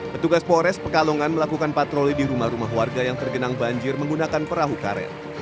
petugas polres pekalongan melakukan patroli di rumah rumah warga yang tergenang banjir menggunakan perahu karet